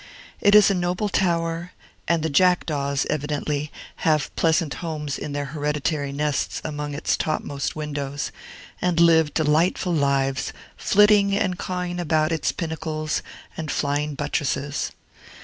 It is a noble tower; and the jackdaws evidently have pleasant homes in their hereditary nests among its topmost windows, and live delightful lives, flitting and cawing about its pinnacles and flying buttresses.